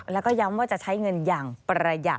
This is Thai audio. แล้วก็ย้ำว่าจะใช้เงินอย่างประหยัด